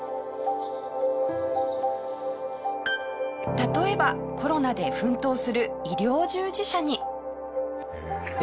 例えばコロナで奮闘する医療従事者に。